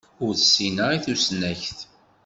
Ur ssineɣ i tusnakt.